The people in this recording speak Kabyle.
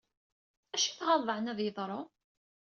Acu i t-ɣalleḍ aɛni ad yeḍṛu?